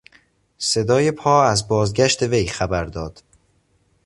صدای پا از بازگشت وی خبر داد.